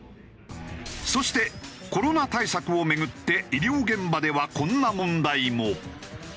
そしてコロナ対策を巡って医療現場ではこんな問題も。